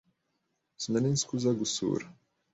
Sinari nzi ko uza gusura.